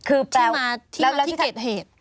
แล้วที่เก็บเหตุ